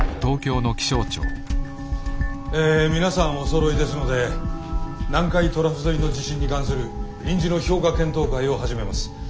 え皆さんおそろいですので南海トラフ沿いの地震に関する臨時の評価検討会を始めます。